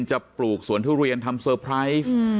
ปลูกสวนทุเรียนทำเซอร์ไพรส์